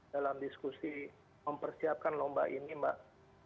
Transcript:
dalam diskusi mempersiapkan lomba ini mbak